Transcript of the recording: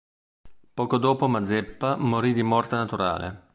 Poco dopo Mazeppa morì di morte naturale.